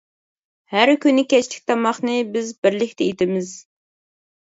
ھەر كۈنى كەچلىك تاماقنى بىز بىرلىكتە ئېتىمىز.